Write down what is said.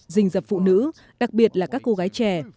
dình dập phụ nữ đặc biệt là các cô gái trẻ